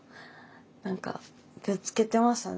何かぶつけてましたね。